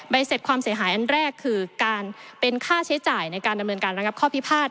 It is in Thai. เสร็จความเสียหายอันแรกคือการเป็นค่าใช้จ่ายในการดำเนินการระงับข้อพิพาท